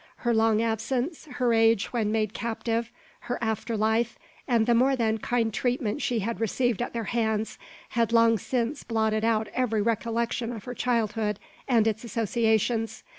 Her long absence, her age when made captive, her after life, and the more than kind treatment she had received at their hands, had long since blotted out every recollection of her childhood and its associations.